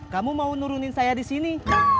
kamu mau nurunin saya di sini